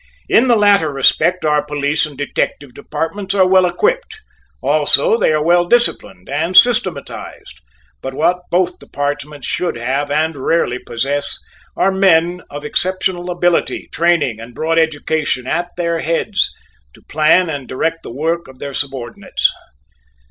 In the latter respect our police and detective departments are well equipped; also, they are well disciplined, and systematized; but what both departments should have and rarely possess, are men of exceptional ability, training, and broad education at their heads to plan and direct the work of their subordinates.